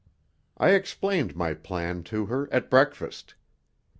I explained my plan to her at breakfast.